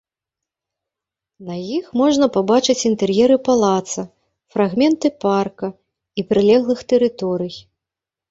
На іх можна пабачыць інтэр'еры палаца, фрагменты парка і прылеглых тэрыторый.